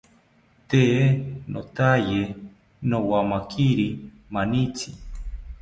Tee nothaye nowamakiri manitzi